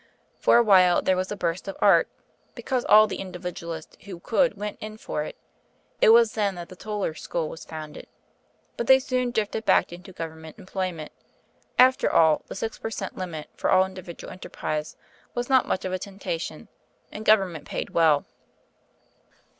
For a while there was a burst of art; because all the Individualists who could went in for it (it was then that the Toller school was founded); but they soon drifted back into Government employment; after all, the six per cent limit for all individual enterprise was not much of a temptation; and Government paid well."